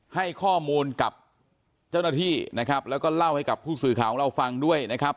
ให้ข้อมูลกับเจ้าหน้าที่นะครับแล้วก็เล่าให้กับผู้สื่อข่าวของเราฟังด้วยนะครับ